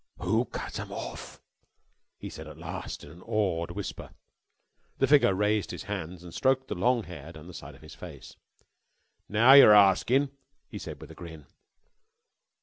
"Who cut 'em off?" he said at last in an awed whisper. The figure raised his hands and stroked the long hair down the side of his face. "Now yer arskin'," he said with a grin.